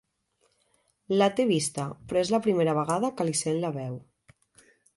La té vista, però és la primera vegada que li sent la veu.